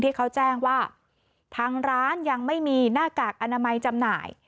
ที่เขาแจ้งว่าทางร้านยังไม่มีหน้ากากอนามัยจำหน่าย